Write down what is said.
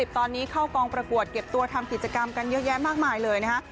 ตอนนี้เข้ากองประกวดเก็บตัวทำกิจกรรมกันเยอะแยะมากมายเลยนะฮะ